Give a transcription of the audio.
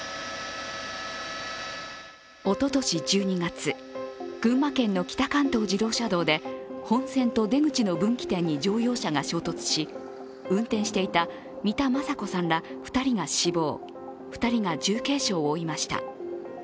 おととし１２月、群馬県の北関東自動車道で本線と出口の分岐点に乗用車が衝突し運転していた三田昌子さんら２人が死亡、２人が重軽傷を負いました。